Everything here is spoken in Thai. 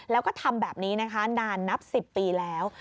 แล้วก็ทำแบบนี้นะคะนานนับ๑๐ปีแล้ว